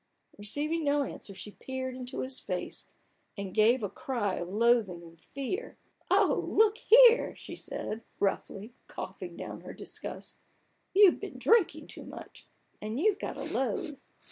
Receiving no answer, she peered into his face, and gave a cry of loathing and fear. (< Oh, look here !" she said, roughly, coughing down her disgust :" You've been drinking too much, and you've got a load.